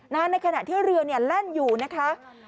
ในขณะที่เรือแล่นอยู่นะคะ